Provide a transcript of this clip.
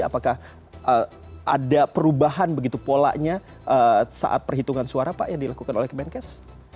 apakah ada perubahan begitu polanya saat perhitungan suara pak yang dilakukan oleh kemenkes